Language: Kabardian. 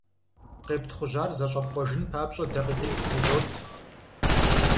Къептхъужьар зэщӏэпкъуэжын папщӏэ дакъикъитху узот.